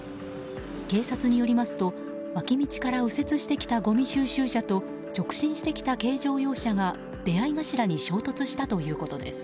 警察によりますと脇道から右折してきたごみ収集車と直進してきた軽乗用車が出合い頭に衝突したということです。